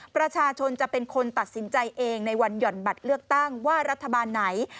ประชาชนจะเป็นคนตัดสินใจเองในวันห่อนบัตรเลือกตั้งว่ารัฐบาลไหน